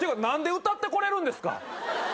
⁉何で歌ってこれるんですか